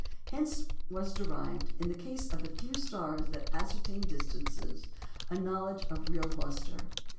Hence was derived, in the case of the few stars at ascertained distances, a knowledge of real lustre.